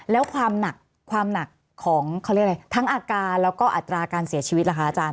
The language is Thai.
แล้วความหนักของทั้งอาการแล้วก็อัตราการเสียชีวิตล่ะคะอาจารย์